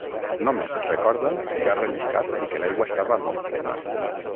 Només recorda que ha relliscat i que l'aigua estava molt freda.